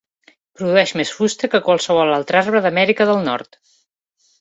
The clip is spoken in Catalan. Produeix més fusta que qualsevol altre arbre d'Amèrica del Nord.